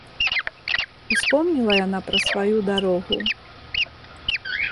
Успомніла яна пра сваю дарогу.